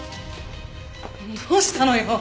どうしたのよ？